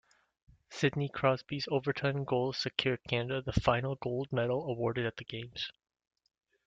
Sidney Crosby's overtime goal secured Canada the final gold medal awarded at the Games.